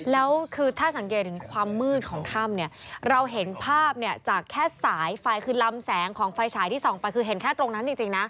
แล้วคือถ้าสังเกตถึงความมืดของถ้ำเนี่ยเราเห็นภาพเนี่ยจากแค่สายไฟคือลำแสงของไฟฉายที่ส่องไปคือเห็นแค่ตรงนั้นจริงนะ